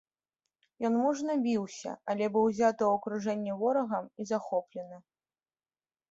Ён мужна біўся, але быў узяты ў акружэнне ворагам і захоплены.